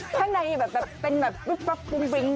ข้างในแบบเป็นแบบปุ๊บปุ๊บหน่อย